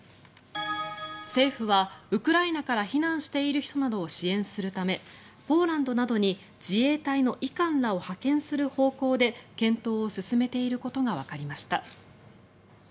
政府はウクライナから避難している人などを支援するためポーランドなどに自衛隊の医官らを派遣する方向で検討を進めていることがわかりました。